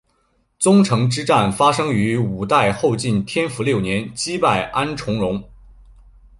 宗城之战发生于五代后晋天福六年击败安重荣。